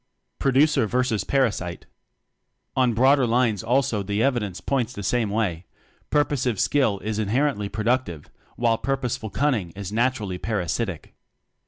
Producer Versus Parasite. On broader lines also the evidence points the same way: purposive skill is inherently productive, while purpose ful cunning is naturally parasitic.